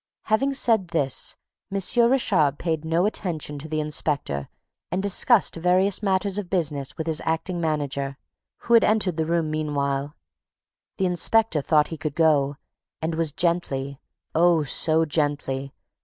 Having said this, M. Richard paid no attention to the inspector and discussed various matters of business with his acting manager, who had entered the room meanwhile. The inspector thought he could go and was gently oh, so gently!